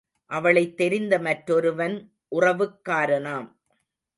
அவளைத் தெரிந்த மற்றொருவன் உறவுக்காரனாம்.